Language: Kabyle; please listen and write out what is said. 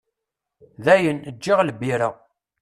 Dayen, ǧǧiɣ lbira.